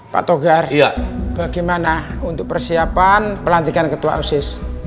pak togar bagaimana untuk persiapan pelantikan ketua osis